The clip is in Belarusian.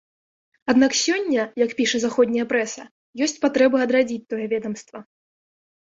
Аднак сёння, як піша заходняя прэса, ёсць патрэба адрадзіць тое ведамства.